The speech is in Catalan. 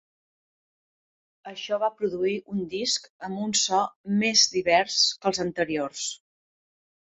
Això va produir un disc amb un so més divers que els anteriors.